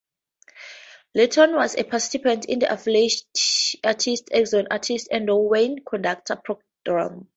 Litton was a participant in the Affiliate Artists Exxon-Arts Endowment Conductors Program.